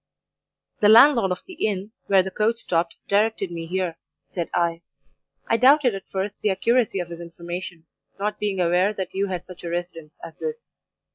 "'The landlord of the inn, where the coach stopped, directed me here,' said I. 'I doubted at first the accuracy of his information, not being aware that you had such a residence as this.